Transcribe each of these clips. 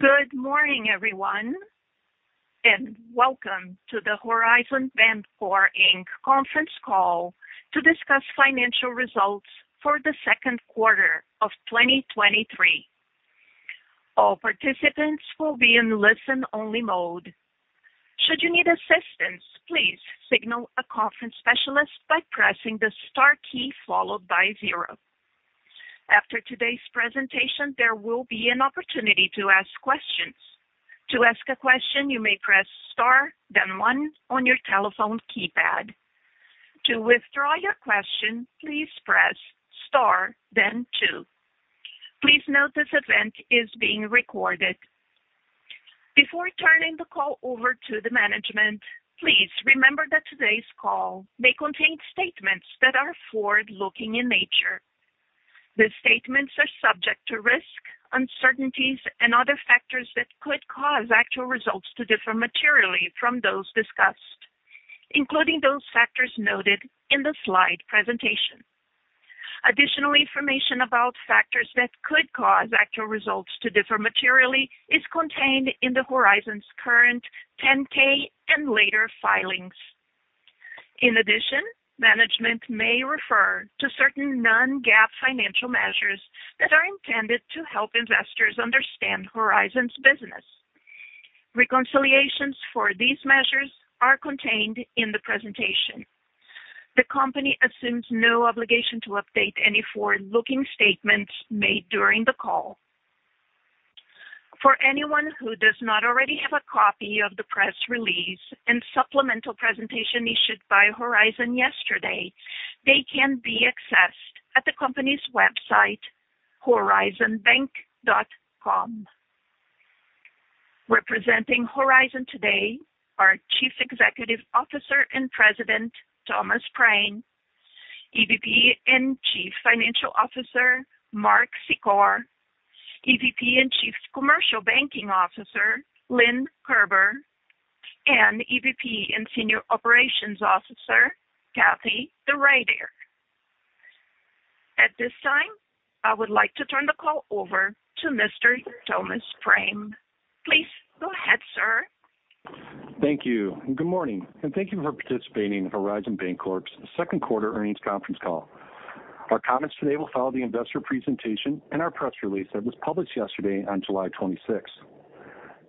Good morning, everyone, and welcome to the Horizon Bancorp Inc. conference call to discuss financial results for the Q2 of 2023. All participants will be in listen-only mode. Should you need assistance, please signal a conference specialist by pressing the star key followed by 0. After today's presentation, there will be an opportunity to ask questions. To ask a question, you may press star, then one on your telephone keypad. To withdraw your question, please press star then two. Please note this event is being recorded. Before turning the call over to the management, please remember that today's call may contain statements that are forward-looking in nature. The statements are subject to risks, uncertainties and other factors that could cause actual results to differ materially from those discussed, including those factors noted in the slide presentation. Additional information about factors that could cause actual results to differ materially is contained in the Horizon's current 10-K and later filings. In addition, management may refer to certain non-GAAP financial measures that are intended to help investors understand Horizon's business. Reconciliations for these measures are contained in the presentation. The company assumes no obligation to update any forward-looking statements made during the call. For anyone who does not already have a copy of the press release and supplemental presentation issued by Horizon yesterday, they can be accessed at the company's website, horizonbank.com. Representing Horizon today are Chief Executive Officer and President, Thomas M. Prame; EVP and Chief Financial Officer, Mark E. Secor; EVP and Chief Commercial Banking Officer, Lynn Kerber; and EVP and Senior Operations Officer, Kathie A. DeRuiter. At this time, I would like to turn the call over to Mr. Thomas Prame. Please go ahead, sir. Thank you. Good morning, and thank you for participating in Horizon Bancorp's Q2 earnings conference call. Our comments today will follow the investor presentation and our press release that was published yesterday on July 26th.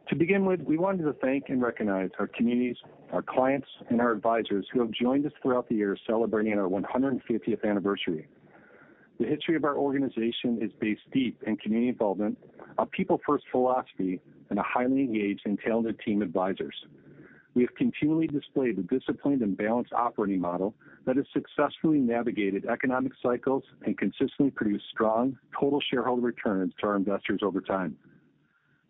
To begin with, we wanted to thank and recognize our communities, our clients, and our advisors who have joined us throughout the year celebrating our 150th anniversary. The history of our organization is based deep in community involvement, a people-first philosophy and a highly engaged and talented team of advisors. We have continually displayed a disciplined and balanced operating model that has successfully navigated economic cycles and consistently produced strong total shareholder returns to our investors over time.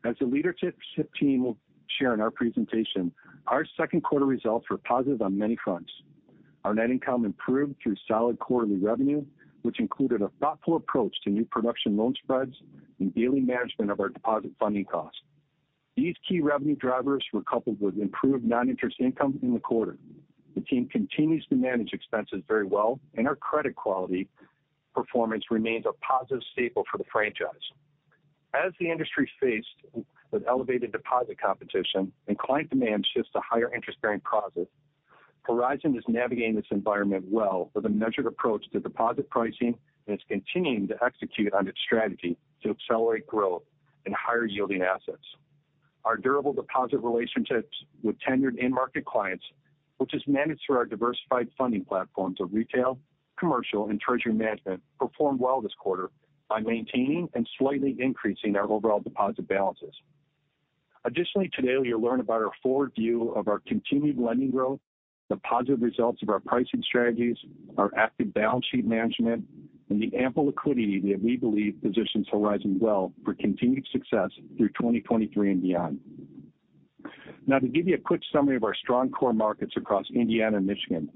As the leadership team will share in their presentation, our Q2 results were positive on many fronts. Our net income improved through solid quarterly revenue, which included a thoughtful approach to new production loan spreads and daily management of our deposit funding costs. These key revenue drivers were coupled with improved non-interest income in the quarter. The team continues to manage expenses very well, and our credit quality performance remains a positive staple for the franchise. As the industry is faced with elevated deposit competition and client demand shifts to higher interest-bearing deposits, Horizon is navigating this environment well with a measured approach to deposit pricing and is continuing to execute on its strategy to accelerate growth in higher-yielding assets. Our durable deposit relationships with tenured in-market clients, which is managed through our diversified funding platforms of retail, commercial and treasury management, performed well this quarter by maintaining and slightly increasing our overall deposit balances. Additionally, today you'll learn about our forward view of our continued lending growth, the positive results of our pricing strategies, our active balance sheet management, and the ample liquidity that we believe positions Horizon well for continued success through 2023 and beyond. To give you a quick summary of our strong core markets across Indiana and Michigan,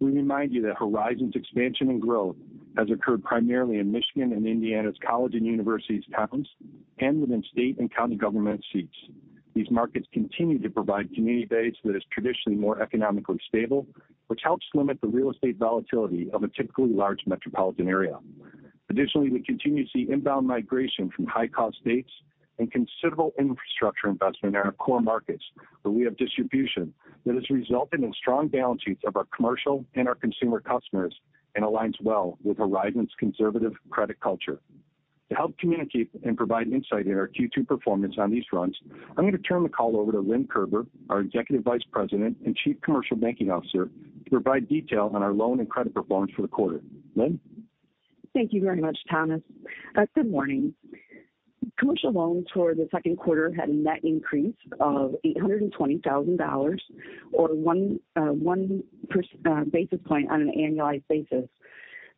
we remind you that Horizon's expansion and growth has occurred primarily in Michigan and Indiana's college and universities towns and within state and county government seats. These markets continue to provide community base that is traditionally more economically stable, which helps limit the real estate volatility of a typically large metropolitan area. Additionally, we continue to see inbound migration from high-cost states and considerable infrastructure investment in our core markets, where we have distribution that has resulted in strong balance sheets of our commercial and our consumer customers and aligns well with Horizon's conservative credit culture. To help communicate and provide insight into our Q2 performance on these fronts, I'm going to turn the call over to Lynn Kerber, our Executive Vice President and Chief Commercial Banking Officer, to provide detail on our loan and credit performance for the quarter. Lynn? Thank you very much, Thomas. Good morning. Commercial loans for the Q2 had a net increase of $820,000 or 1 basis point on an annualized basis.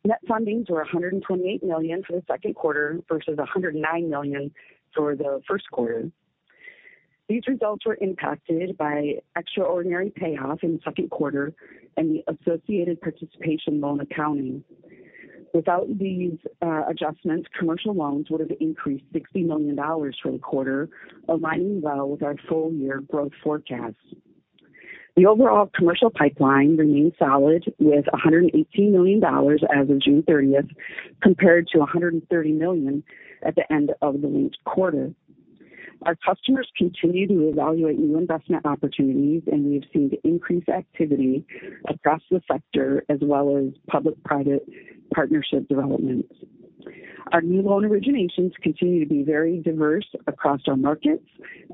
Net fundings were $128 million for the Q2 versus $109 million for the Q1. These results were impacted by extraordinary payoff in the Q2 and the associated participation loan accounting. Without these adjustments, commercial loans would have increased $60 million for the quarter, aligning well with our full year growth forecast. The overall commercial pipeline remains solid with $118 million as of June thirtieth, compared to $130 million at the end of the lead quarter. Our customers continue to evaluate new investment opportunities, and we've seen increased activity across the sector as well as public-private partnership developments. Our new loan originations continue to be very diverse across our markets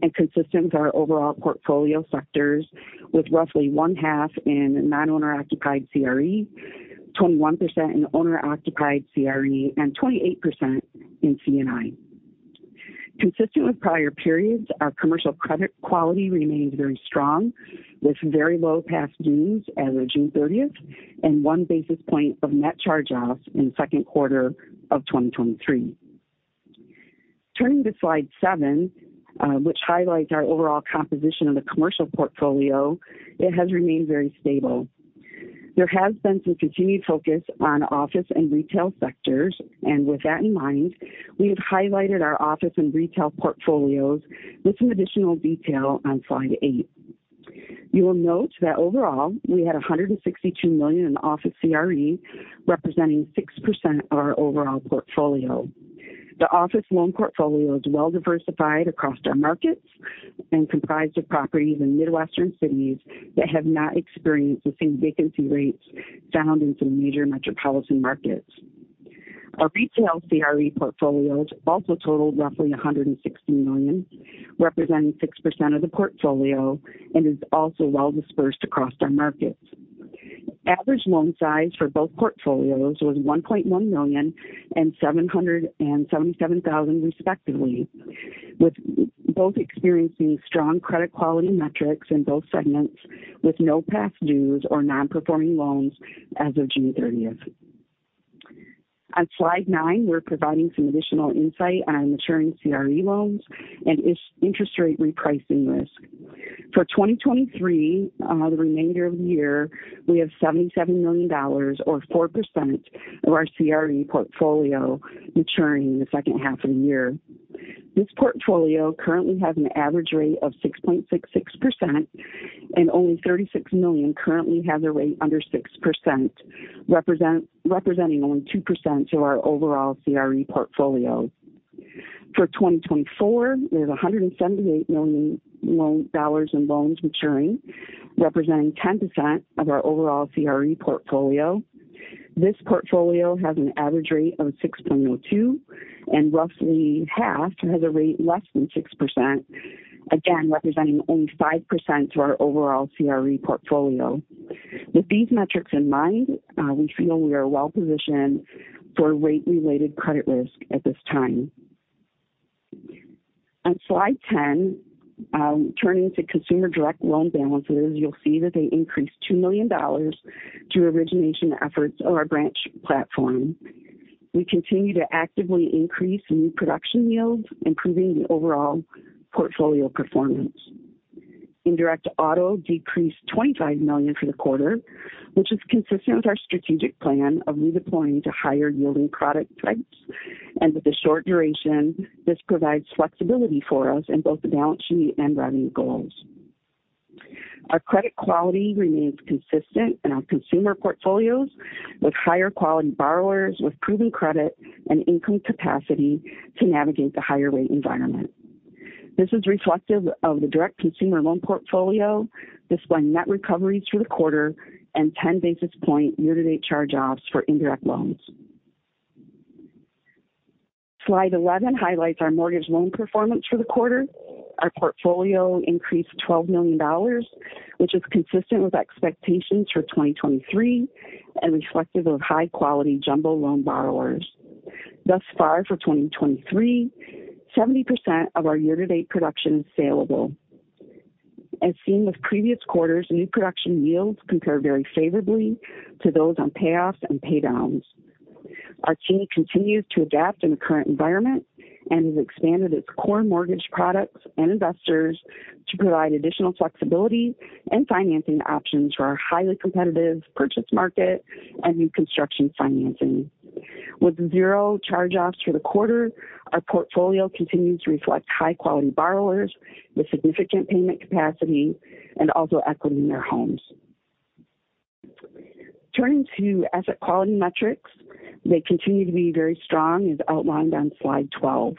and consistent with our overall portfolio sectors, with roughly one half in non-owner occupied CRE, 21% in owner-occupied CRE, and 28% in C&I. Consistent with prior periods, our commercial credit quality remains very strong, with very low past dues as of June 30th, and 1 basis point of net charge-offs in the Q2 of 2023. Turning to slide 7, which highlights our overall composition of the commercial portfolio, it has remained very stable. There has been some continued focus on office and retail sectors, and with that in mind, we have highlighted our office and retail portfolios with some additional detail on slide 8. You will note that overall, we had $162 million in office CRE, representing 6% of our overall portfolio. The office loan portfolio is well diversified across our markets and comprised of properties in Midwestern cities that have not experienced the same vacancy rates found in some major metropolitan markets. Our retail CRE portfolios also totaled roughly $160 million, representing 6% of the portfolio and is also well dispersed across our markets. Average loan size for both portfolios was $1.1 million and $777,000, respectively, with both experiencing strong credit quality metrics in both segments, with no past dues or non-performing loans as of June thirtieth. On slide 9, we're providing some additional insight on maturing CRE loans and interest rate repricing risk. For 2023, the remainder of the year, we have $77 million or 4% of our CRE portfolio maturing in the second half of the year. This portfolio currently has an average rate of 6.66%, and only $36 million currently have their rate under 6%, representing only 2% to our overall CRE portfolio. For 2024, there's $178 million in loans maturing, representing 10% of our overall CRE portfolio. This portfolio has an average rate of 6.02%, and roughly half has a rate less than 6%, again, representing only 5% to our overall CRE portfolio. With these metrics in mind, we feel we are well positioned for rate-related credit risk at this time. On slide 10, turning to consumer direct loan balances, you'll see that they increased $2 million through origination efforts of our branch platform. We continue to actively increase new production yields, improving the overall portfolio performance. Indirect auto decreased $25 million for the quarter, which is consistent with our strategic plan of redeploying to higher yielding product types. With the short duration, this provides flexibility for us in both the balance sheet and revenue goals. Our credit quality remains consistent in our consumer portfolios, with higher quality borrowers with proven credit and income capacity to navigate the higher rate environment. This is reflective of the direct consumer loan portfolio, displaying net recoveries for the quarter and 10 basis point year-to-date charge-offs for indirect loans. Slide 11 highlights our mortgage loan performance for the quarter. Our portfolio increased $12 million, which is consistent with expectations for 2023 and reflective of high-quality jumbo loan borrowers. For 2023, 70% of our year-to-date production is saleable. As seen with previous quarters, new production yields compare very favorably to those on payoffs and paydowns. Our team continues to adapt in the current environment and has expanded its core mortgage products and investors to provide additional flexibility and financing options for our highly competitive purchase market and new construction financing. With 0 charge-offs for the quarter, our portfolio continues to reflect high-quality borrowers with significant payment capacity and also equity in their homes. Turning to asset quality metrics, they continue to be very strong, as outlined on slide 12.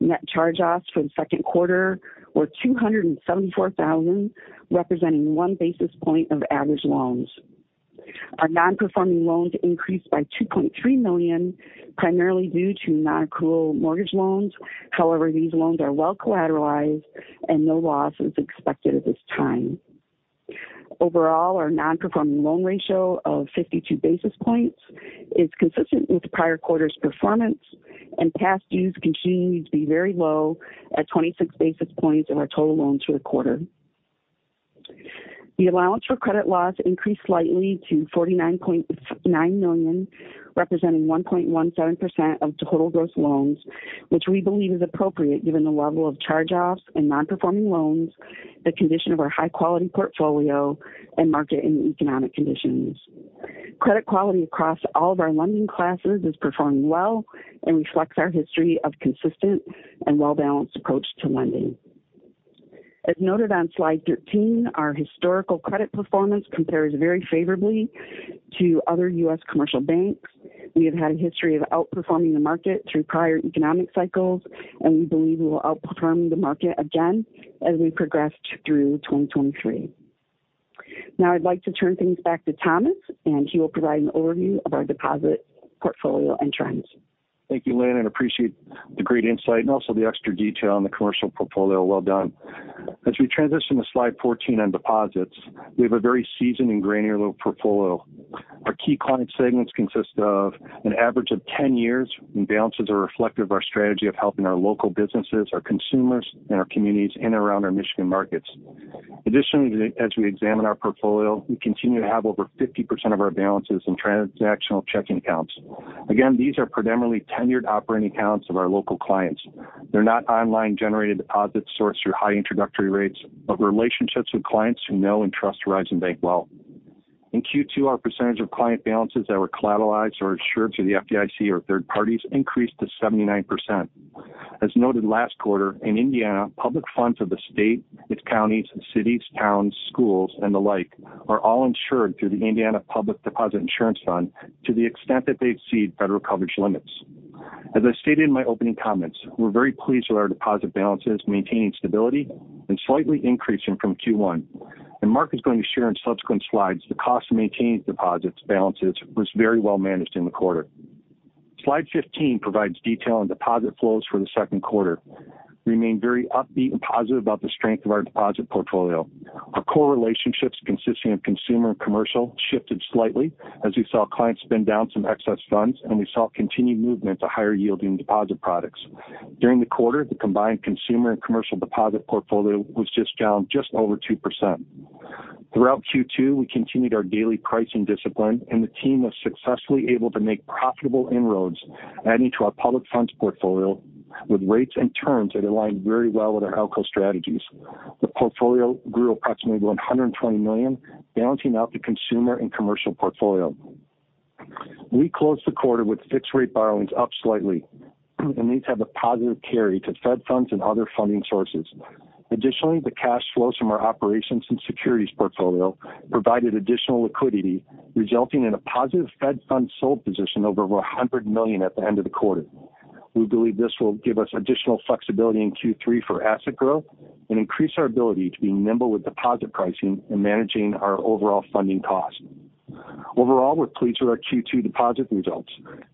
Net charge-offs for the Q2 were $274,000, representing 1 basis point of average loans. Our non-performing loans increased by $2.3 million, primarily due to nonaccrual mortgage loans. However, these loans are well collateralized and no loss is expected at this time. Overall, our non-performing loan ratio of 52 basis points is consistent with prior quarters' performance, and past dues continue to be very low at 26 basis points of our total loans for the quarter. The allowance for credit loss increased slightly to $49.9 million, representing 1.17% of total gross loans, which we believe is appropriate given the level of charge-offs and non-performing loans, the condition of our high-quality portfolio, and market and economic conditions. Credit quality across all of our lending classes is performing well and reflects our history of consistent and well-balanced approach to lending. As noted on slide 13, our historical credit performance compares very favorably to other U.S. commercial banks. We have had a history of outperforming the market through prior economic cycles, and we believe we will outperform the market again as we progress through 2023. Now I'd like to turn things back to Thomas, and he will provide an overview of our deposit portfolio and trends. Thank you, Lynn, appreciate the great insight and also the extra detail on the commercial portfolio. Well done. As we transition to slide 14 on deposits, we have a very seasoned and granular portfolio. Our key client segments consist of an average of 10 years, and balances are reflective of our strategy of helping our local businesses, our consumers, and our communities in and around our Michigan Markets. Additionally, as we examine our portfolio, we continue to have over 50% of our balances in transactional checking accounts. Again, these are predominantly tenured operating accounts of our local clients. They're not online-generated deposits sourced through high introductory rates, but relationships with clients who know and trust Horizon Bank well. In Q2, our percentage of client balances that were collateralized or insured through the FDIC or third parties increased to 79%. As noted last quarter, in Indiana, public funds of the state, its counties, cities, towns, schools, and the like, are all insured through the Indiana Public Deposit Insurance Fund to the extent that they exceed federal coverage limits. As I stated in my opening comments, we're very pleased with our deposit balances, maintaining stability and slightly increasing from Q1. Mark is going to share in subsequent slides, the cost of maintaining deposits balances was very well managed in the quarter. Slide 15 provides detail on deposit flows for the Q2. Remain very upbeat and positive about the strength of our deposit portfolio. Our core relationships, consisting of consumer and commercial, shifted slightly as we saw clients spend down some excess funds and we saw continued movement to higher-yielding deposit products. During the quarter, the combined consumer and commercial deposit portfolio was down just over 2%. Throughout Q2, we continued our daily pricing discipline, and the team was successfully able to make profitable inroads, adding to our public funds portfolio with rates and terms that aligned very well with our ALCO strategies. The portfolio grew approximately $120 million, balancing out the consumer and commercial portfolio. We closed the quarter with fixed rate borrowings up slightly, and these have a positive carry to Fed funds and other funding sources. Additionally, the cash flows from our operations and securities portfolio provided additional liquidity, resulting in a positive Fed fund sold position of over $100 million at the end of the quarter. We believe this will give us additional flexibility in Q3 for asset growth and increase our ability to be nimble with deposit pricing and managing our overall funding costs. Overall, we're pleased with our Q2 deposit results.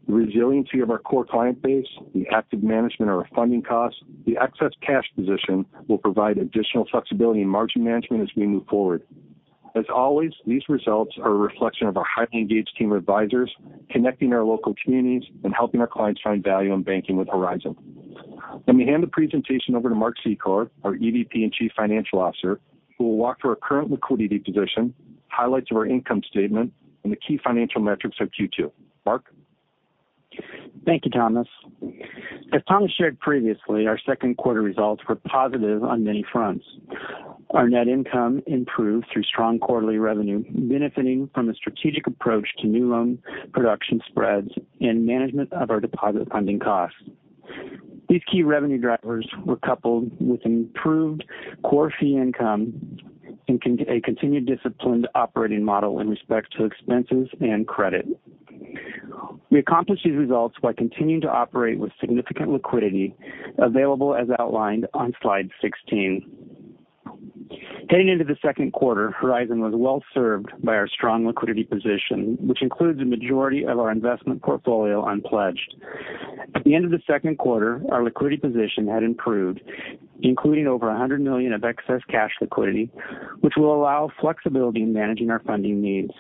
The resiliency of our core client base, the active management of our funding costs, the excess cash position will provide additional flexibility in margin management as we move forward. As always, these results are a reflection of our highly engaged team of advisors, connecting our local communities and helping our clients find value in banking with Horizon. Let me hand the presentation over to Mark Secor, our EVP and Chief Financial Officer, who will walk through our current liquidity position, highlights of our income statement, and the key financial metrics of Q2. Mark? Thank you, Thomas. As Thomas shared previously, our Q2 results were positive on many fronts. Our net income improved through strong quarterly revenue, benefiting from a strategic approach to new loan production spreads and management of our deposit funding costs. These key revenue drivers were coupled with improved core fee income and a continued disciplined operating model in respect to expenses and credit. We accomplished these results while continuing to operate with significant liquidity available, as outlined on slide 16. Heading into the Q2, Horizon was well served by our strong liquidity position, which includes the majority of our investment portfolio unpledged. At the end of the Q2, our liquidity position had improved, including over $100 million of excess cash liquidity, which will allow flexibility in managing our funding needs.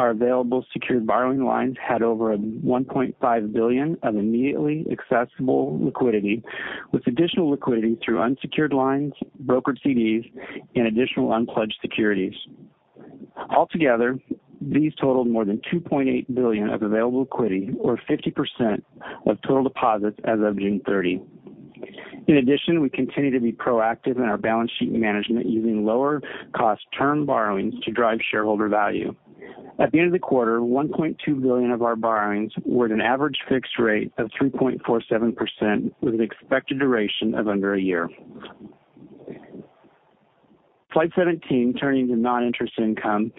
Our available secured borrowing lines had over $1.5 billion of immediately accessible liquidity, with additional liquidity through unsecured lines, brokered CDs, and additional unpledged securities. Altogether, these totaled more than $2.8 billion of available liquidity, or 50% of total deposits as of June 30. In addition, we continue to be proactive in our balance sheet management, using lower cost term borrowings to drive shareholder value. At the end of the quarter, $1.2 billion of our borrowings were at an average fixed rate of 3.47%, with an expected duration of under a year. Slide 17, turning to non-interest income.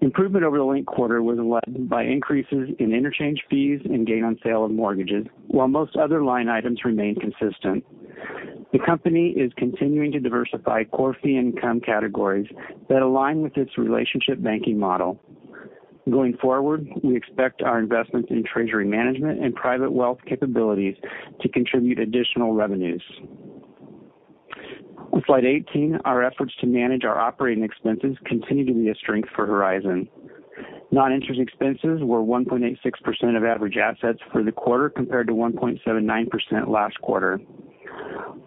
Improvement over the linked quarter was led by increases in interchange fees and gain on sale of mortgages, while most other line items remained consistent. The company is continuing to diversify core fee income categories that align with its relationship banking model. Going forward, we expect our investments in treasury management and private wealth capabilities to contribute additional revenues. On slide 18, our efforts to manage our operating expenses continue to be a strength for Horizon. Non-interest expenses were 1.86% of average assets for the quarter, compared to 1.79% last quarter.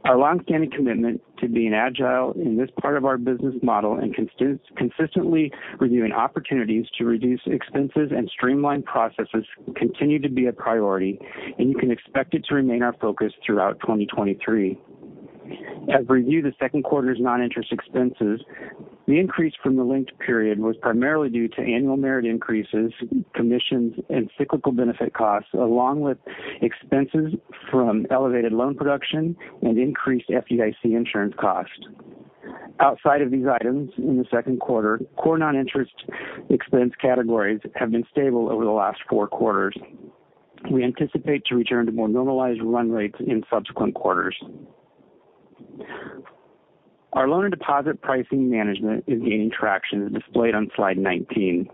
Our long-standing commitment to being agile in this part of our business model and consistently reviewing opportunities to reduce expenses and streamline processes continue to be a priority. You can expect it to remain our focus throughout 2023. As we review the Q2's non-interest expenses, the increase from the linked period was primarily due to annual merit increases, commissions, and cyclical benefit costs, along with expenses from elevated loan production and increased FDIC insurance costs. Outside of these items in the Q2, core non-interest expense categories have been stable over the last four quarters. We anticipate to return to more normalized run rates in subsequent quarters. Our loan and deposit pricing management is gaining traction, as displayed on slide 19.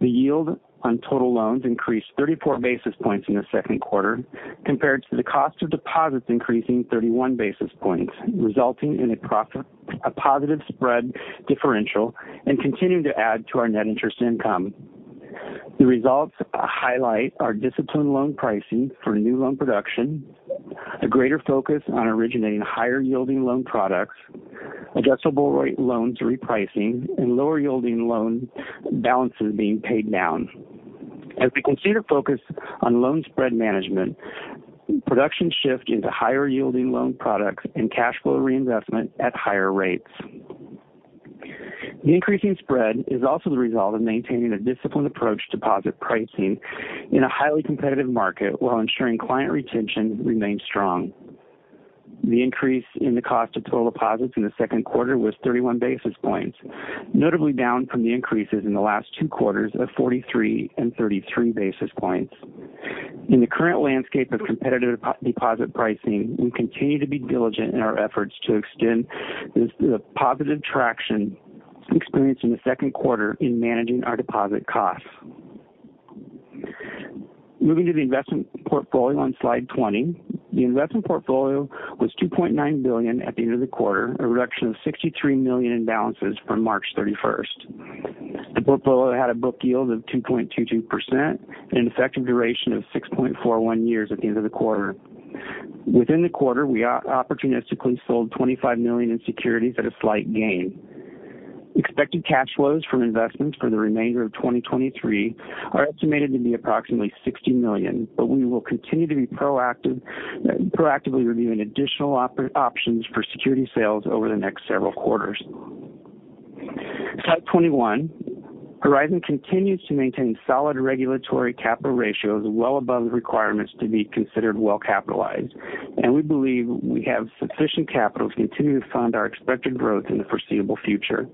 The yield on total loans increased 34 basis points in the Q2 compared to the cost of deposits increasing 31 basis points, resulting in a positive spread differential and continuing to add to our net interest income. The results highlight our disciplined loan pricing for new loan production, a greater focus on originating higher yielding loan products, adjustable rate loans repricing, and lower yielding loan balances being paid down. We continue to focus on loan spread management, production shift into higher yielding loan products and cash flow reinvestment at higher rates. The increasing spread is also the result of maintaining a disciplined approach to deposit pricing in a highly competitive market while ensuring client retention remains strong. The increase in the cost of total deposits in the Q2 was 31 basis points, notably down from the increases in the last two quarters of 43 and 33 basis points. In the current landscape of competitive deposit pricing, we continue to be diligent in our efforts to extend this, the positive traction experienced in the Q2 in managing our deposit costs. Moving to the investment portfolio on slide 20. The investment portfolio was $2.9 billion at the end of the quarter, a reduction of $63 million in balances from March 31st. The portfolio had a book yield of 2.22% and an effective duration of 6.41 years at the end of the quarter. Within the quarter, we opportunistically sold $25 million in securities at a slight gain. Expected cash flows from investments for the remainder of 2023 are estimated to be approximately $60 million, but we will continue to be proactively reviewing additional options for security sales over the next several quarters. Slide 21. Horizon continues to maintain solid regulatory capital ratios well above the requirements to be considered well capitalized, and we believe we have sufficient capital to continue to fund our expected growth in the foreseeable future.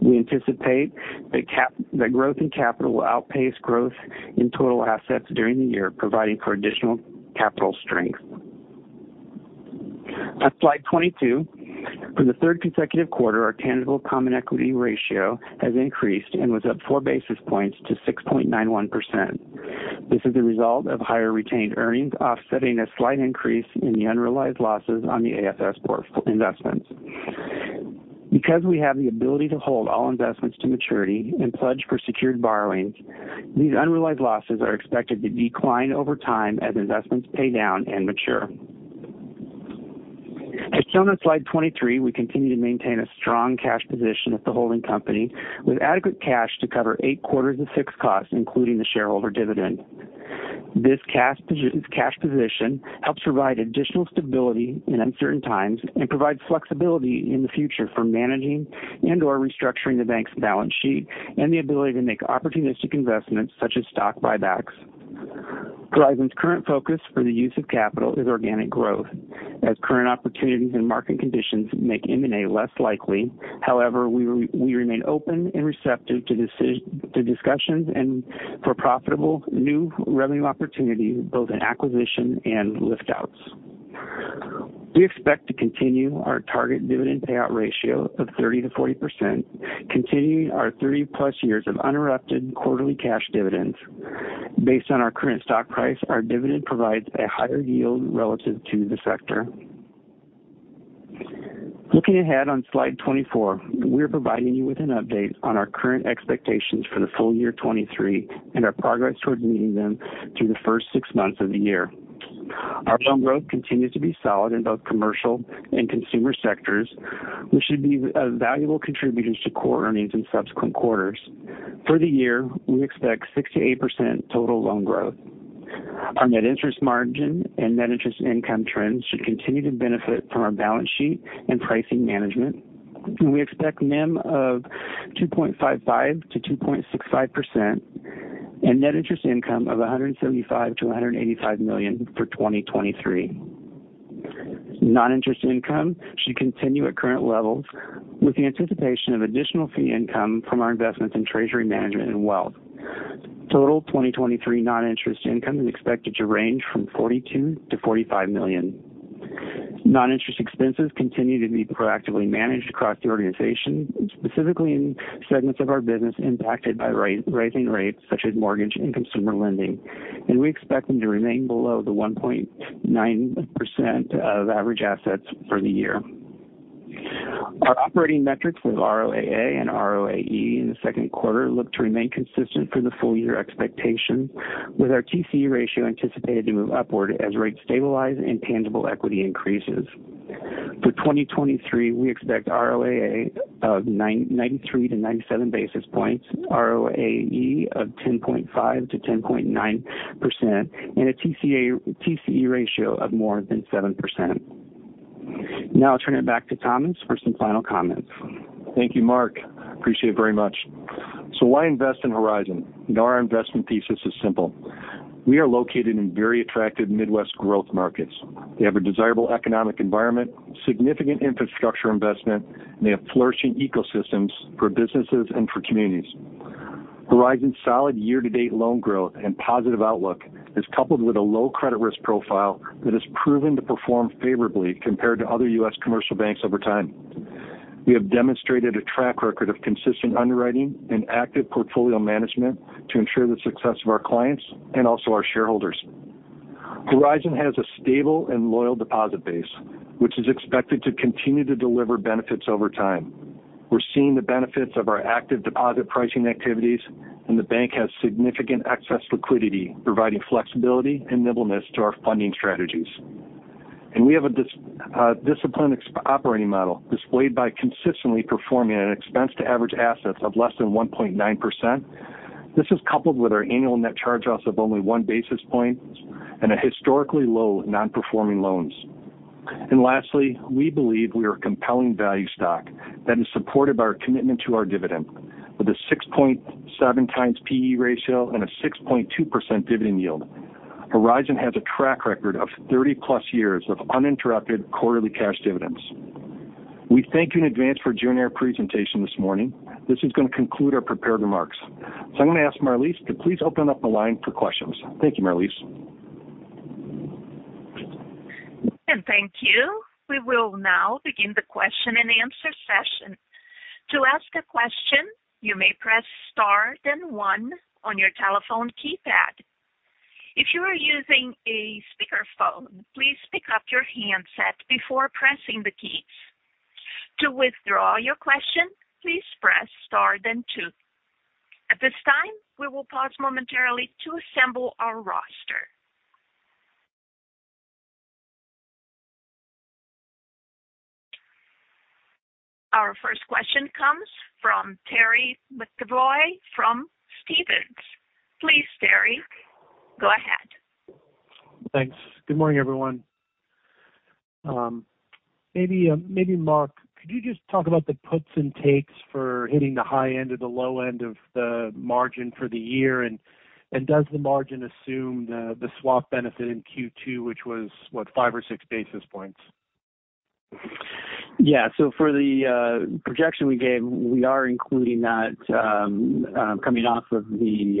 We anticipate that growth in capital will outpace growth in total assets during the year, providing for additional capital strength. On slide 22, for the third consecutive quarter, our tangible common equity ratio has increased and was up 4 basis points to 6.91%. This is the result of higher retained earnings, offsetting a slight increase in the unrealized losses on the AFS investments. Because we have the ability to hold all investments to maturity and pledge for secured borrowings, these unrealized losses are expected to decline over time as investments pay down and mature. As shown on slide 23, we continue to maintain a strong cash position at the holding company, with adequate cash to cover 8 quarters of fixed costs, including the shareholder dividend. This cash position helps provide additional stability in uncertain times and provides flexibility in the future for managing and/or restructuring the bank's balance sheet and the ability to make opportunistic investments such as stock buybacks. Horizon's current focus for the use of capital is organic growth, as current opportunities and market conditions make M&A less likely. However, we remain open and receptive to discussions and for profitable new revenue opportunities, both in acquisition and lift outs. We expect to continue our target dividend payout ratio of 30%-40%, continuing our 30+ years of uninterrupted quarterly cash dividends. Based on our current stock price, our dividend provides a higher yield relative to the sector. Looking ahead on slide 24, we are providing you with an update on our current expectations for the full year 2023 and our progress towards meeting them through the first 6 months of the year. Our loan growth continues to be solid in both commercial and consumer sectors, which should be a valuable contributor to core earnings in subsequent quarters. For the year, we expect 6%-8% total loan growth. Our net interest margin and net interest income trends should continue to benefit from our balance sheet and pricing management. We expect NIM of 2.55%-2.65% and net interest income of $175 million-$185 million for 2023. Non-interest income should continue at current levels, with the anticipation of additional fee income from our investments in treasury management and wealth. Total 2023 non-interest income is expected to range from $42 million-$45 million. Non-interest expenses continue to be proactively managed across the organization, specifically in segments of our business impacted by rising rates such as mortgage and consumer lending, and we expect them to remain below the 1.9% of average assets for the year. Our operating metrics for ROAA and ROAE in the Q2 look to remain consistent for the full year expectation, with our TCE ratio anticipated to move upward as rates stabilize and tangible equity increases. For 2023, we expect ROAA of 93 to 97 basis points, ROAE of 10.5% to 10.9%, and a TCE ratio of more than 7%. Now I'll turn it back to Thomas for some final comments. Thank you, Mark. Appreciate it very much. Why invest in Horizon? You know, our investment thesis is simple. We are located in very attractive Midwest growth markets. They have a desirable economic environment, significant infrastructure investment, and they have flourishing ecosystems for businesses and for communities. Horizon's solid year-to-date loan growth and positive outlook is coupled with a low credit risk profile that has proven to perform favorably compared to other U.S. commercial banks over time. We have demonstrated a track record of consistent underwriting and active portfolio management to ensure the success of our clients and also our shareholders. Horizon has a stable and loyal deposit base, which is expected to continue to deliver benefits over time. We're seeing the benefits of our active deposit pricing activities, and the bank has significant excess liquidity, providing flexibility and nimbleness to our funding strategies. We have a disciplined operating model, displayed by consistently performing an expense to average assets of less than 1.9%. This is coupled with our annual net charge-offs of only 1 basis point and a historically low nonperforming loans. Lastly, we believe we are a compelling value stock that is supportive of our commitment to our dividend, with a 6.7 times P/E ratio and a 6.2% dividend yield. Horizon has a track record of 30-plus years of uninterrupted quarterly cash dividends. We thank you in advance for joining our presentation this morning. This is going to conclude our prepared remarks. I'm going to ask Marlies to please open up the line for questions. Thank you, Marlie. Thank you. We will now begin the question-and-answer session. To ask a question, you may press star then one on your telephone keypad. If you are using a speakerphone, please pick up your handset before pressing the keys. To withdraw your question, please press star then two. At this time, we will pause momentarily to assemble our roster. Our first question comes from Terry McEvoy from Stephens. Please, Terry, go ahead. Thanks. Good morning, everyone. Maybe Mark, could you just talk about the puts and takes for hitting the high end or the low end of the margin for the year? Does the margin assume the swap benefit in Q2, which was, what, 5 or 6 basis points? Yeah. For the projection we gave, we are including that, coming off of the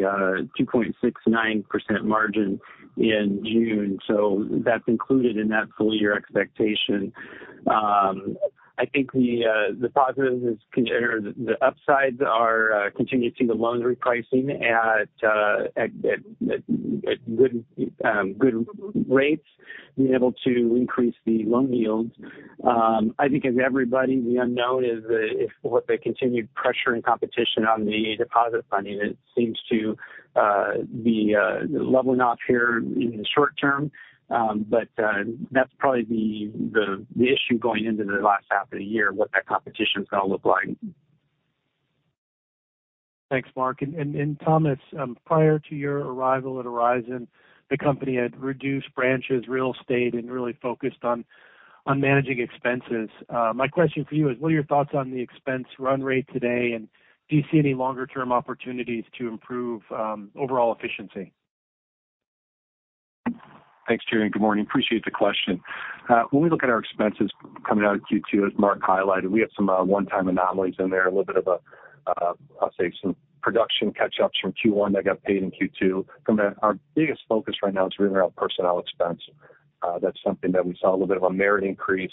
2.69% margin in June. That's included in that full year expectation. I think the positive is, or the upsides are, continuing to see the loan repricing at good rates, being able to increase the loan yields. I think as everybody, the unknown is what the continued pressure and competition on the deposit funding. It seems to be leveling off here in the short term. That's probably the issue going into the last half of the year, what that competition is going to look like. Thanks, Mark. Thomas, prior to your arrival at Horizon, the company had reduced branches, real estate, and really focused on managing expenses. My question for you is, what are your thoughts on the expense run rate today, and do you see any longer-term opportunities to improve overall efficiency? Thanks, Terry. Good morning. Appreciate the question. When we look at our expenses coming out of Q2, as Mark highlighted, we have some one-time anomalies in there, a little bit of a, I'll say, some production catch-ups from Q1 that got paid in Q2. From that, our biggest focus right now is really around personnel expense. That's something that we saw a little bit of a merit increase.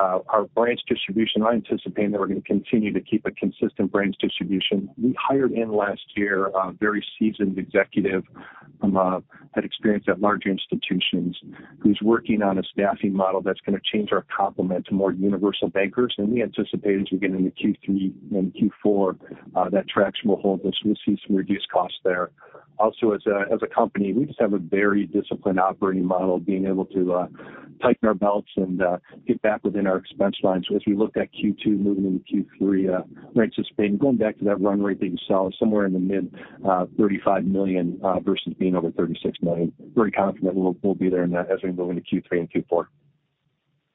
Our branch distribution, I anticipate that we're going to continue to keep a consistent branch distribution. We hired in last year, a very seasoned executive, had experience at large institutions, who's working on a staffing model that's going to change our complement to more universal bankers. We anticipate as we get into Q3 and Q4, that traction will hold, we'll see some reduced costs there. Also, as a company, we just have a very disciplined operating model, being able to tighten our belts and get back within our expense lines. As we look at Q2 moving into Q3, I anticipate going back to that run rate that you saw somewhere in the mid $35 million versus being over $36 million. Very confident we'll be there in that as we move into Q3 and Q4.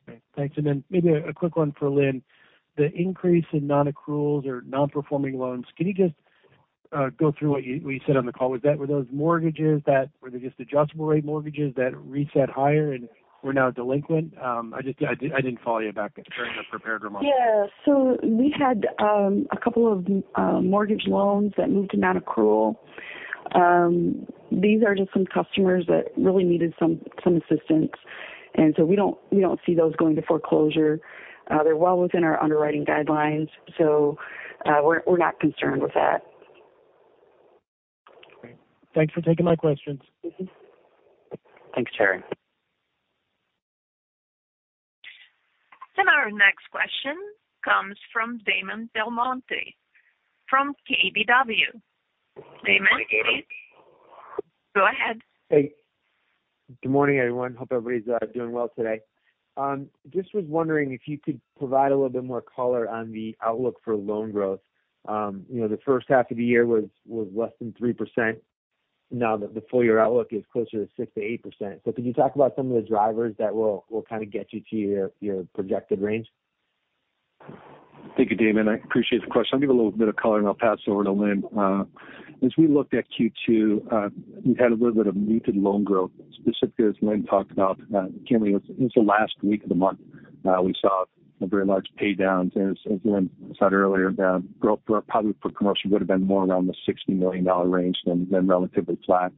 Great. Thanks. Then maybe a quick one for Lynn. The increase in nonaccruals or nonperforming loans, can you just go through what you, what you said on the call? Were those mortgages that were they just adjustable-rate mortgages that reset higher and were now delinquent? I just, I, I didn't follow you back during the prepared remarks. Yeah. We had a couple of mortgage loans that moved to nonaccrual. These are just some customers that really needed some assistance, and so we don't see those going to foreclosure. They're well within our underwriting guidelines, so we're not concerned with that. Great. Thanks for taking my questions. Thanks, Terry. Our next question comes from Damon DelMonte, from KBW. Damon, please go ahead. Hey, good morning, everyone. Hope everybody's doing well today. just was wondering if you could provide a little bit more color on the outlook for loan growth. you know, the first half of the year was less than 3%. now that the full year outlook is closer to 6%-8%. Could you talk about some of the drivers that will kind of get you to your projected range? Thank you, Damon. I appreciate the question. I'll give a little bit of color, and I'll pass it over to Lynn. As we looked at Q2, we had a little bit of muted loan growth, specifically, as Lynn talked about, generally, it's the last week of the month, we saw very large pay downs. As Lynn said earlier, growth probably for commercial would have been more around the $60 million range than, than relatively flat.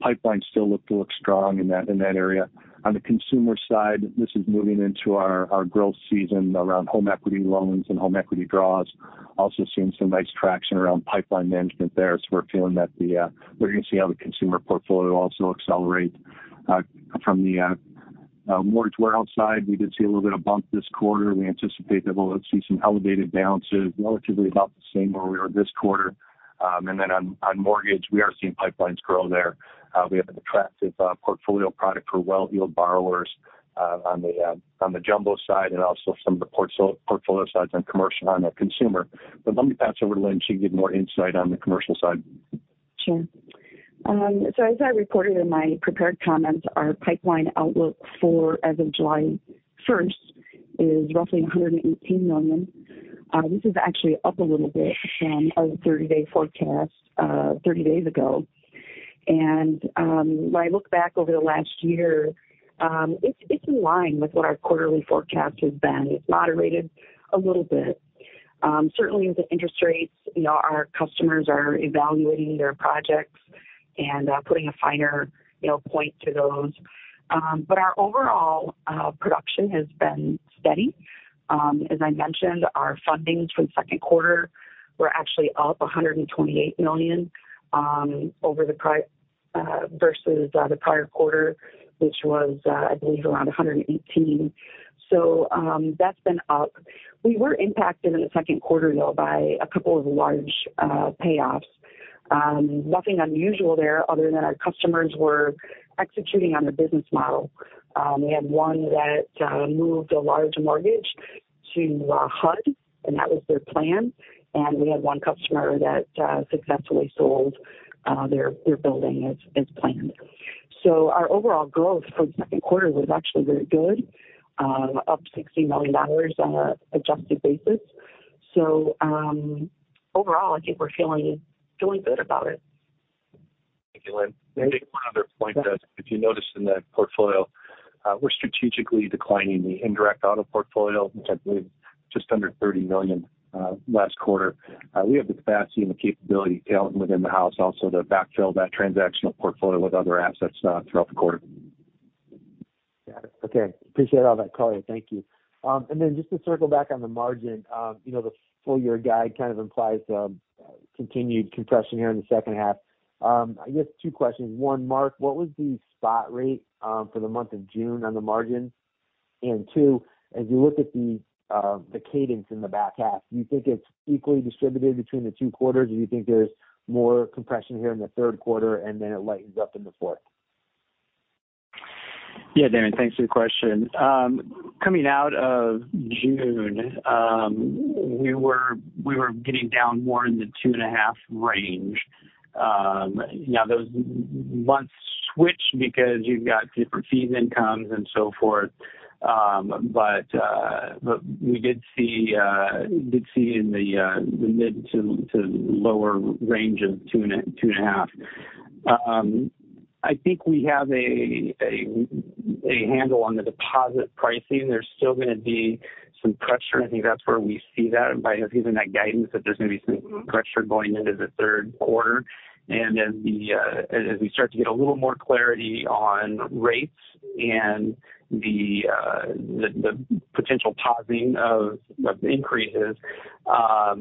pipeline still look strong in that, in that area. On the consumer side, this is moving into our, our growth season around home equity loans and home equity draws. Also seeing some nice traction around pipeline management there. We're feeling that the -- we're gonna see how the consumer portfolio also accelerate, from the, mortgage warehouse side. We did see a little bit of bump this quarter. We anticipate that we'll see some elevated balances, relatively about the same where we were this quarter. Then on, on mortgage, we are seeing pipelines grow there. We have an attractive portfolio product for well-heeled borrowers, on the on the jumbo side and also some of the portfolio sides on commercial on the consumer. Let me pass over to Lynn. She can give more insight on the commercial side. Sure. As I reported in my prepared comments, our pipeline outlook for as of July 1st is roughly $118 million. This is actually up a little bit from our 30-day forecast 30 days ago. When I look back over the last year, it's in line with what our quarterly forecast has been. It's moderated a little bit. Certainly with the interest rates, you know, our customers are evaluating their projects and putting a finer, you know, point to those. Our overall production has been steady. As I mentioned, our fundings for the Q2 were actually up $128 million versus the prior quarter, which was, I believe, around $118 million. That's been up. We were impacted in the Q2, though, by a couple of large payoffs. Nothing unusual there, other than our customers were executing on the business model. We had one that moved a large mortgage to HUD, and that was their plan. We had one customer that successfully sold their building as planned. Our overall growth for the Q2 was actually very good, up $60 million on an adjusted basis. Overall, I think we're feeling good about it. Thank you, Lynn. I think one other point that if you noticed in that portfolio, we're strategically declining the indirect auto portfolio, which I believe just under $30 million, last quarter. We have the capacity and the capability talent within the house also to backfill that transactional portfolio with other assets, throughout the quarter. Got it. Okay. Appreciate all that color. Thank you. Then just to circle back on the margin, you know, the full year guide kind of implies continued compression here in the second half. I guess two questions. One, Mark, what was the spot rate for the month of June on the margin? Two, as you look at the cadence in the back half, do you think it's equally distributed between the two quarters, or you think there's more compression here in the third quarter and then it lightens up in the fourth? Yeah, Damon, thanks for the question. Coming out of June, we were getting down more in the 2.5% range. Now, those months switch because you've got different fee incomes and so forth. But we did see in the mid to lower range of 2.5%. I think we have a handle on the deposit pricing. There's still gonna be some pressure, and I think that's where we see that by giving that guidance, that there's gonna be some pressure going into the third quarter. As we start to get a little more clarity on rates and the potential pausing of increases, I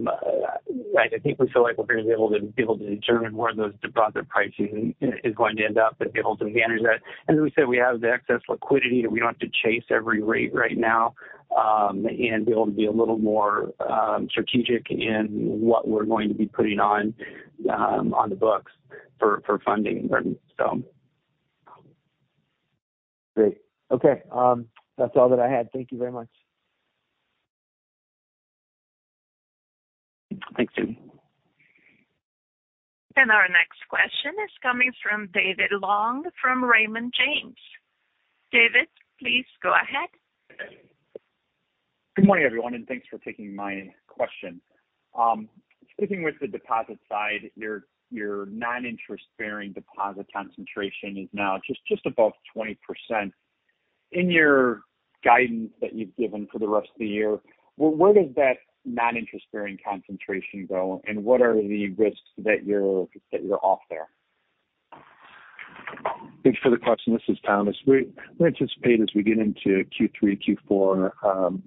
think we feel like we're gonna be able to determine where those deposit pricing is going to end up and be able to manage that. As we said, we have the excess liquidity that we don't have to chase every rate right now, and be able to be a little more strategic in what we're going to be putting on on the books for funding. Great. Okay, that's all that I had. Thank you very much. Thanks, Damon. Our next question is coming from David Long, from Raymond James. David, please go ahead. Good morning, everyone, and thanks for taking my question. Sticking with the deposit side, your non-interest-bearing deposit concentration is now just above 20%. In your guidance that you've given for the rest of the year, where does that non-interest-bearing concentration go, and what are the risks that you're off there? Thanks for the question. This is Thomas. We anticipate as we get into Q3, Q4,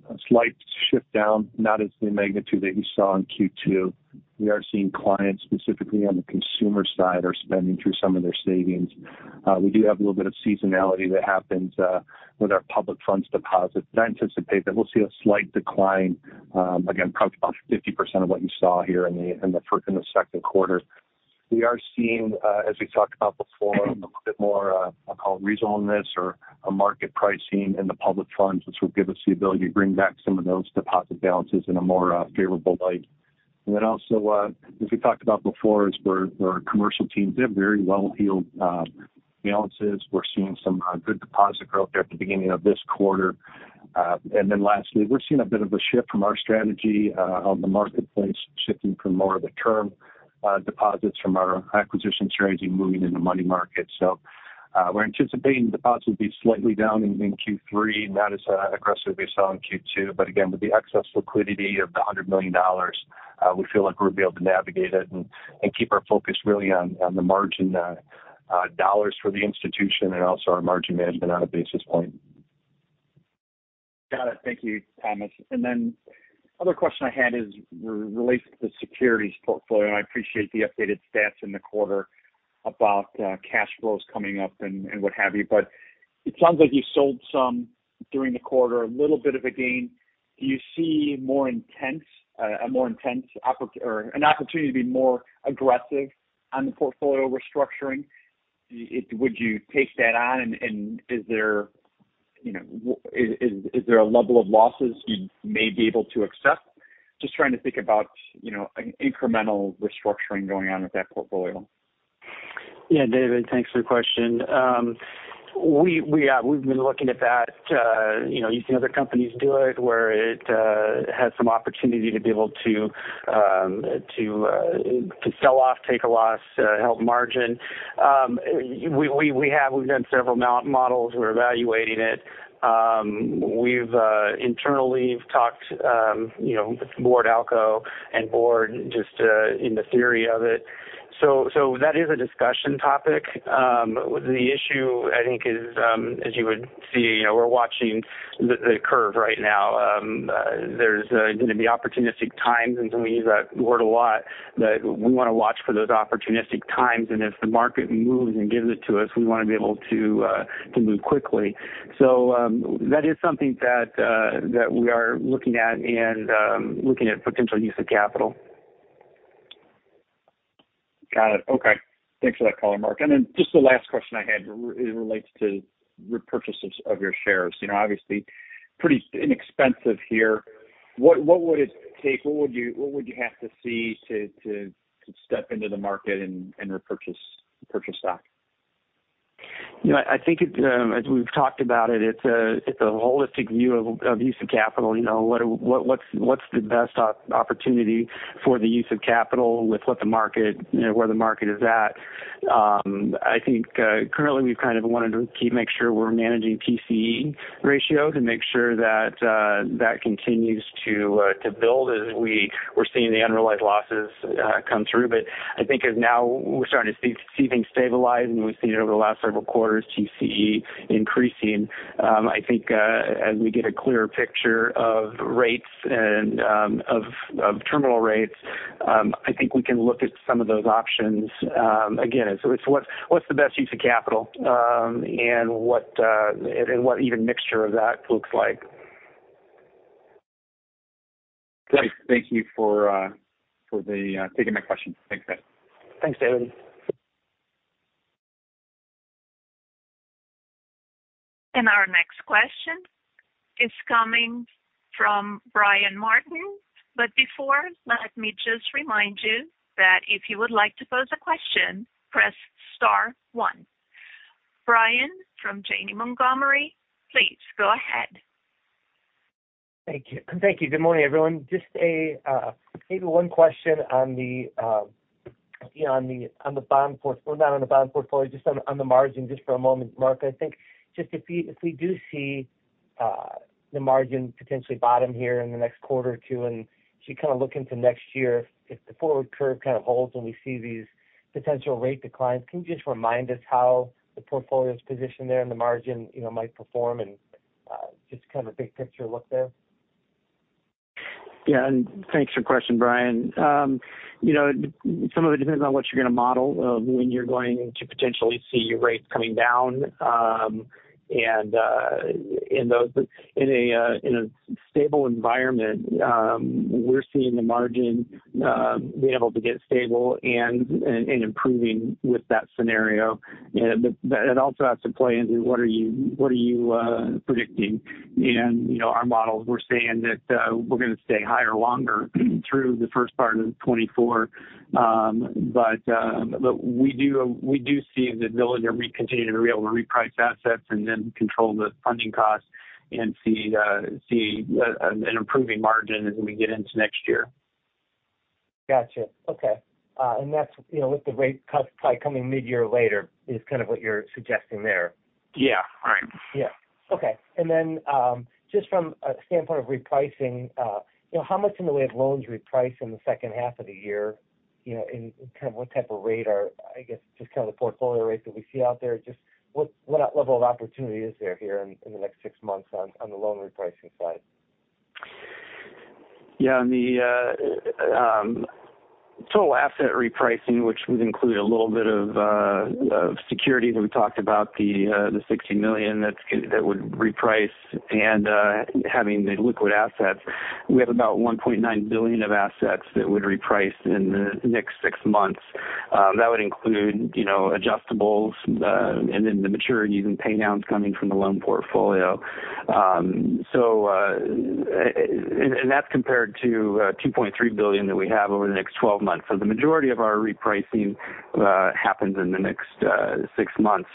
a slight shift down, not as the magnitude that you saw in Q2. We are seeing clients, specifically on the consumer side, are spending through some of their savings. We do have a little bit of seasonality that happens with our public funds deposits. I anticipate that we'll see a slight decline, again, probably about 50% of what you saw here in the Q2. We are seeing, as we talked about before, a little bit more, I'll call it, reasonableness or a market pricing in the public funds, which will give us the ability to bring back some of those deposit balances in a more favorable light. Also, as we talked about before, is where our commercial teams, they have very well-heeled balances. We're seeing some good deposit growth there at the beginning of this quarter. Lastly, we're seeing a bit of a shift from our strategy on the marketplace, shifting from more of the term deposits from our acquisition strategy, moving into money markets. We're anticipating deposits will be slightly down in Q3, not as aggressive as we saw in Q2. Again, with the excess liquidity of the $100 million, we feel like we'll be able to navigate it and keep our focus really on the margin dollars for the institution and also our margin management on a basis point. Got it. Thank you, Thomas. Then other question I had is related to the securities portfolio. I appreciate the updated stats in the quarter about cash flows coming up and what have you. It sounds like you sold some during the quarter, a little bit of a gain. Do you see more intense, a more intense opportunity to be more aggressive on the portfolio restructuring? Would you take that on? Is there, you know, is there a level of losses you may be able to accept? Just trying to think about, you know, an incremental restructuring going on with that portfolio. Yeah, David Long, thanks for the question. We've been looking at that. You know, you've seen other companies do it, where it has some opportunity to be able to sell off, take a loss, help margin. We've done several models. We're evaluating it. We've internally, we've talked, you know, with Board ALCO and Board just in the theory of it. That is a discussion topic. The issue, I think, is, as you would see, you know, we're watching the curve right now. There's going to be opportunistic times, and we use that word a lot, that we want to watch for those opportunistic times, and if the market moves and gives it to us, we want to be able to move quickly. That is something that we are looking at and looking at potential use of capital. Got it. Okay. Thanks for that color, Mark. Just the last question I had, it relates to repurchases of your shares. You know, obviously, pretty inexpensive here. What would it take? What would you have to see to step into the market and repurchase stock? You know, I think it, as we've talked about it, it's a, it's a holistic view of, of use of capital. You know, what, what's the best opportunity for the use of capital with what the market, you know, where the market is at? I think, currently, we've kind of wanted to keep make sure we're managing TCE ratio to make sure that that continues to build as we're seeing the unrealized losses come through. I think as now we're starting to see things stabilize, and we've seen it over the last several quarters, TCE increasing. I think, as we get a clearer picture of rates and, of terminal rates, I think we can look at some of those options. again, it's what's, what's the best use of capital, and what, and what even mixture of that looks like. Great. Thank you for taking my question. Thanks, guys. Thanks, David. Our next question is coming from Brian Martin. Before, let me just remind you that if you would like to pose a question, press star one. Brian from Janney Montgomery, please go ahead. Thank you. Thank you. Good morning, everyone. Just a, maybe one question on the, you know, on the bond portfolio, just on the margin, just for a moment, Mark. I think just if we do see, the margin potentially bottom here in the next quarter or two, and as you kind of look into next year, if the forward curve kind of holds and we see these potential rate declines, can you just remind us how the portfolio's positioned there, and the margin, you know, might perform? Just kind of a big picture look there. Yeah, and thanks for your question, Brian. You know, some of it depends on what you're going to model, when you're going to potentially see rates coming down. In a stable environment, we're seeing the margin being able to get stable and improving with that scenario. That also has to play into what are you predicting? You know, our models, we're saying that we're going to stay higher longer through the first part of 2024. We do see the ability to continue to be able to reprice assets and then control the funding costs and see an improving margin as we get into next year. Gotcha. Okay, and that's, you know, with the rate cuts probably coming midyear or later, is kind of what you're suggesting there? Yeah, right. Yeah. Okay. Just from a standpoint of repricing, you know, how much in the way of loans repriced in the second half of the year? You know, just kind of the portfolio rates that we see out there, just what, what level of opportunity is there here in the next 6 months on the loan repricing side? Yeah, on the total asset repricing, which would include a little bit of securities, we talked about the $60 million that would reprice and having the liquid assets. We have about $1.9 billion of assets that would reprice in the next six months. That would include, you know, adjustables, and then the maturities and pay downs coming from the loan portfolio. That's compared to $2.3 billion that we have over the next 12 months. The majority of our repricing happens in the next six months.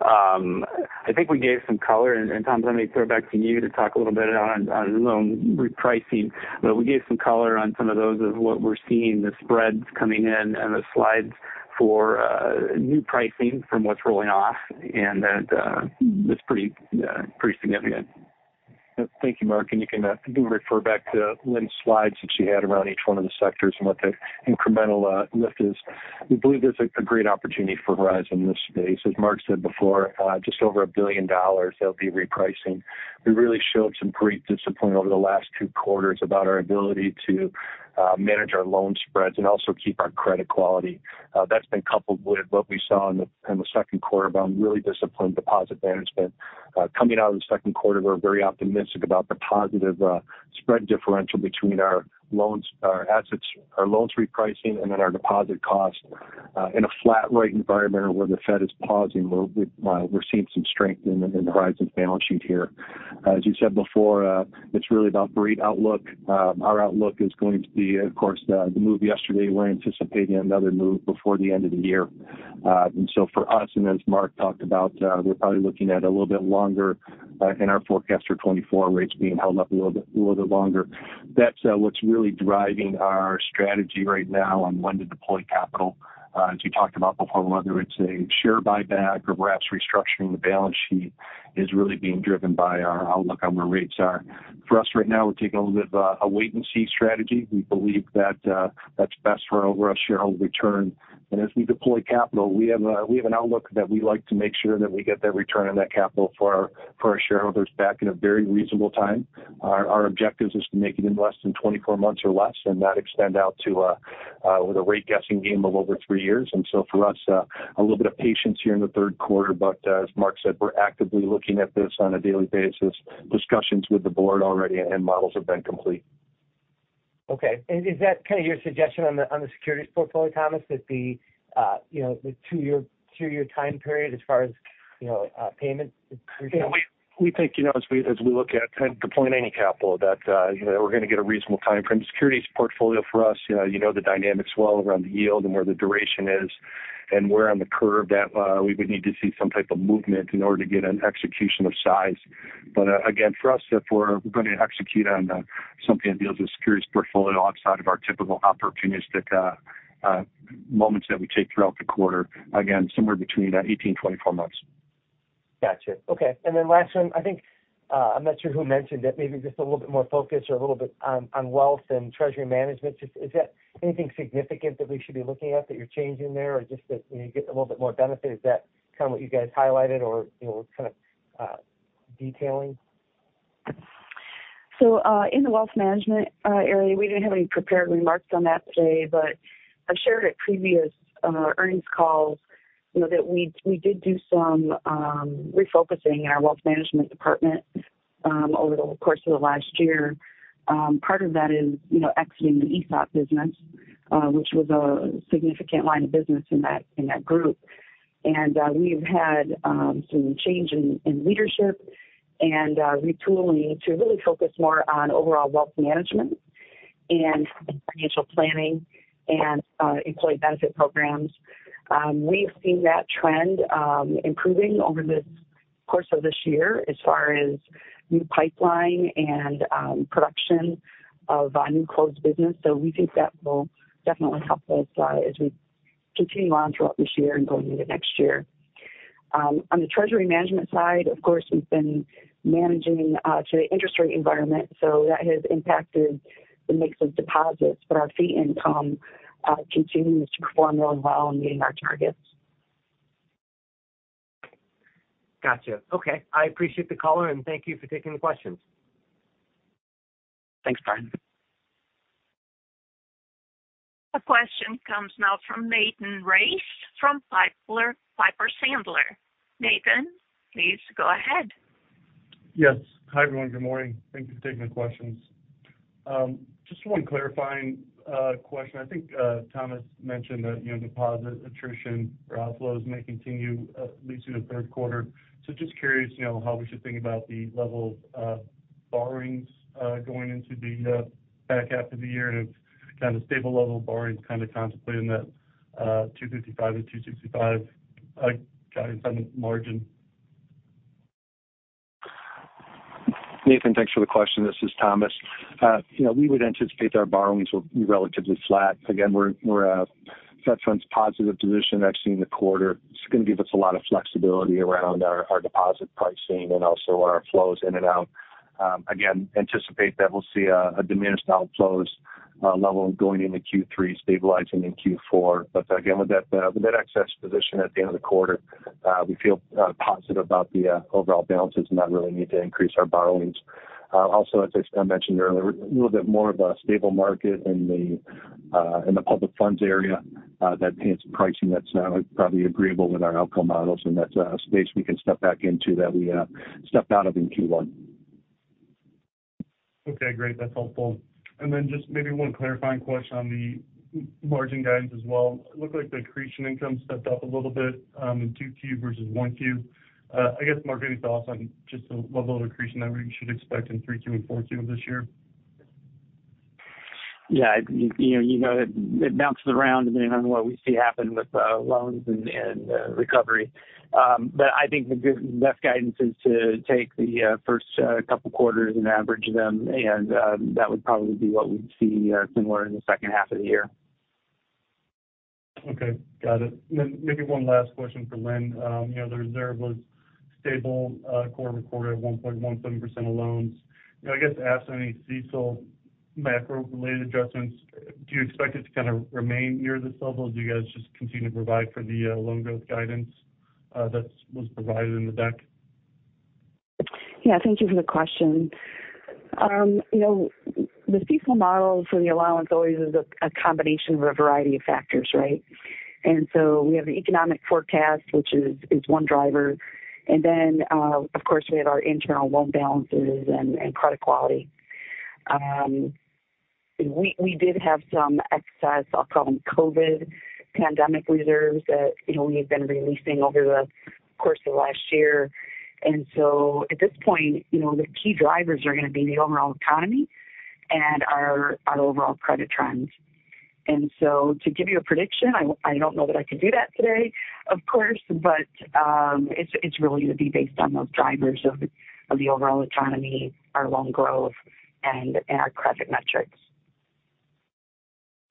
I think we gave some color, and Tom, let me throw back to you to talk a little bit on loan repricing. We gave some color on some of those of what we're seeing, the spreads coming in and the slides for new pricing from what's rolling off, and that it's pretty, pretty significant. Thank you, Mark. You can refer back to Lynn's slides that she had around each one of the sectors and what the incremental lift is. We believe there's a great opportunity for Horizon in this space. As Mark said before, just over $1 billion that'll be repricing. We really showed some great discipline over the last two quarters about our ability to manage our loan spreads and also keep our credit quality. That's been coupled with what we saw in the Q2 about really disciplined deposit management. Coming out of the Q2, we're very optimistic about the positive spread differential between our loans, our assets, our loans repricing, and then our deposit cost. In a flat rate environment where the Fed is pausing, we're seeing some strength in the Horizon balance sheet here. As you said before, it's really about great outlook. Our outlook is going to be, of course, the move yesterday, we're anticipating another move before the end of the year. For us, and as Mark talked about, we're probably looking at a little bit longer in our forecast for 2024 rates being held up a little bit longer. That's what's really driving our strategy right now on when to deploy capital. As you talked about before, whether it's a share buyback or perhaps restructuring the balance sheet is really being driven by our outlook on where rates are. For us right now, we're taking a little bit of a wait-and-see strategy. We believe that that's best for our overall shareholder return. As we deploy capital, we have an outlook that we like to make sure that we get that return on that capital for our shareholders back in a very reasonable time. Our objectives is to make it in less than 24 months or less, and not extend out to with a rate-guessing game of over 3 years. For us, a little bit of patience here in the 3rd quarter. As Mark said, we're actively looking at this on a daily basis. Discussions with the Board already and models have been complete. Okay. Is that kind of your suggestion on the, on the securities portfolio, Thomas? That the, you know, the 2-year time period as far as, you know, payment? Yeah, we think, you know, as we, as we look at kind of deploying any capital, that, you know, we're going to get a reasonable time frame. The securities portfolio for us, you know, you know the dynamics well around the yield and where the duration is, and we're on the curve that we would need to see some type of movement in order to get an execution of size. Again, for us, if we're going to execute on something that deals with securities portfolio outside of our typical opportunistic moments that we take throughout the quarter, again, somewhere between 18, 24 months. Gotcha. Okay. Last one, I think, I'm not sure who mentioned it, maybe just a little bit more focus or a little bit on, on wealth and treasury management. Just is that anything significant that we should be looking at, that you're changing there, or just that you get a little bit more benefit? Is that kind of what you guys highlighted or, you know, kind of, detailing? In the wealth management area, we didn't have any prepared remarks on that today, but I've shared at previous earnings calls, you know, that we, we did do some refocusing in our wealth management department over the course of the last year. Part of that is, you know, exiting the ESOP business, which was a significant line of business in that group. We've had some change in leadership and retooling to really focus more on overall wealth management and financial planning and employee benefit programs. We've seen that trend improving over the course of this year as far as new pipeline and production of new closed business. We think that will definitely help us as we continue on throughout this year and going into next year. On the treasury management side, of course, we've been managing to the interest rate environment, so that has impacted the mix of deposits, but our fee income continues to perform well and while meeting our targets. Gotcha. Okay. I appreciate the color, and thank you for taking the questions. Thanks, Brian. The question comes now from Nathan Race from Piper Sandler. Nathan, please go ahead. Yes. Hi, everyone. Good morning. Thank you for taking the questions. Just one clarifying question. I think Thomas mentioned that, you know, deposit attrition or outflows may continue at least through the third quarter. Just curious, you know, how we should think about the level of borrowings going into the back half of the year and kind of stable level of borrowings, kind of contemplating that 2.55%-2.65% guidance on the margin? Nathan, thanks for the question. This is Thomas. You know, we would anticipate our borrowings will be relatively flat. Again, we're a Fed funds positive position actually in the quarter. It's going to give us a lot of flexibility around our deposit pricing and also our flows in and out. Again, anticipate that we'll see a diminished outflows level going into Q3, stabilizing in Q4. Again, with that excess position at the end of the quarter, we feel positive about the overall balances and not really need to increase our borrowings. Also, as I mentioned earlier, a little bit more of a stable market in the public funds area that pays pricing that's probably agreeable with our outcome models, and that's a space we can step back into that we stepped out of in Q1. Okay, great. That's helpful. Just maybe one clarifying question on the margin guidance as well. It looked like the accretion income stepped up a little bit in 2Q versus 1Q. My thinking is also on just the level of accretion that we should expect in 3Q and 4Q of this year. You know, it bounces around depending on what we see happen with loans and recovery. I think the best guidance is to take the first couple quarters and average them, and that would probably be what we'd see similar in the second half of the year. Okay, got it. maybe one last question for Lynn. You know, the reserve was stable, quarter-on-quarter at 1.17% of loans. You know, I guess asking any CECL macro-related adjustments, do you expect it to kind of remain near this level? Do you guys just continue to provide for the loan growth guidance that's was provided in the deck? Yeah, thank you for the question. You know, the CECL model for the allowance always is a combination of a variety of factors, right? We have the economic forecast, which is one driver. Then, of course, we have our internal loan balances and credit quality. We did have some excess, I'll call them COVID pandemic reserves that, you know, we have been releasing over the course of last year. At this point, you know, the key drivers are gonna be the overall economy and our overall credit trends. To give you a prediction, I don't know that I can do that today, of course, but it's really going to be based on those drivers of the overall economy, our loan growth and our credit metrics.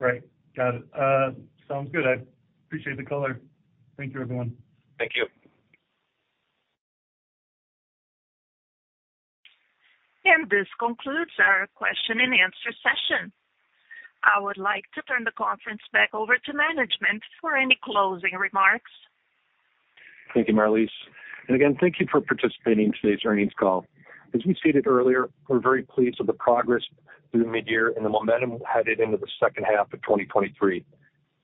Great. Got it. Sounds good. I appreciate the color. Thank you, everyone. Thank you. This concludes our question and answer session. I would like to turn the conference back over to management for any closing remarks. Thank you, Marlise. Again, thank you for participating in today's earnings call. As we stated earlier, we're very pleased with the progress through the midyear and the momentum headed into the second half of 2023.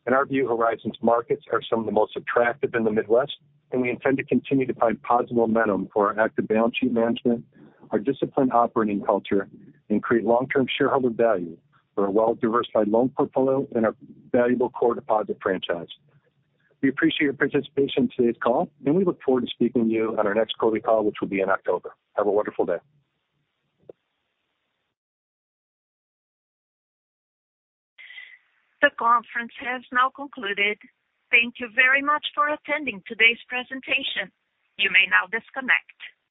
In our view, Horizon's markets are some of the most attractive in the Midwest, and we intend to continue to find positive momentum for our active balance sheet management, our disciplined operating culture, and create long-term shareholder value for a well-diversified loan portfolio and our valuable core deposit franchise. We appreciate your participation in today's call, and we look forward to speaking to you on our next quarterly call, which will be in October. Have a wonderful day. The conference has now concluded. Thank you very much for attending today's presentation. You may now disconnect.